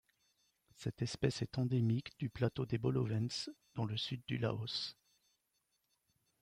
Cette espèce est endémique du plateau des Bolovens dans le sud du Laos.